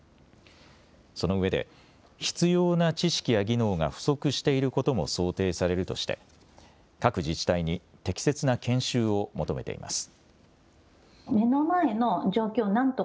そのうえで必要な知識や技能が不足していることも想定されるとして各自治体に適切な研修を求めています。